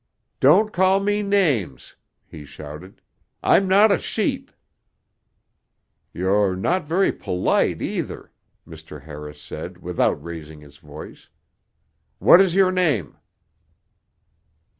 "Don't call me names!" he shouted. "I'm not a sheep!" "You're not very polite, either," Mr. Harris said without raising his voice. "What is your name?"